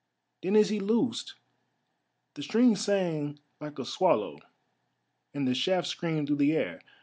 Then as he loosed, the string sang like a swallow, and the shaft screamed through the air.